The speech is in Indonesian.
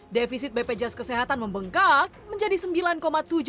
defisit bpjs kesehatan membengkak menjadi rp sembilan tujuh triliun pada dua ribu enam belas